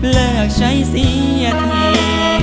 เลิกใช้เสียที